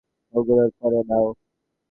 ওগুলোর পরে নাও।